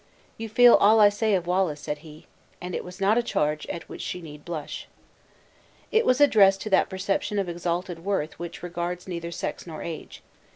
"You feel all I say of Wallace," said he. And it was not a charge at which she need blush. It was addressed to that perception of exalted worth which regards neither sex nor age.